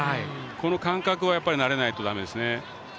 この感覚は慣れないとだめですね。